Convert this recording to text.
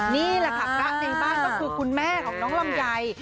นี่แหละค่ะพระในบ้านก็คือคุณแม่ของน้องลำไย